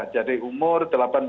jadi umur delapan belas